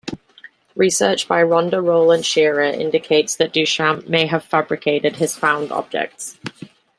Research by Rhonda Roland Shearer indicates that Duchamp may have fabricated his found objects.